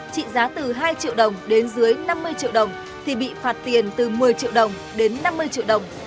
trị giá từ hai triệu đồng đến dưới năm mươi triệu đồng thì bị phạt tiền từ một mươi triệu đồng đến năm mươi triệu đồng